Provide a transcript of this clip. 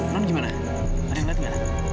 non gimana ada yang ngeliat gak